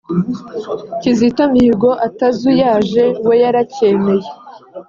Kizito Mihigo atazuyaje we yaracyemeye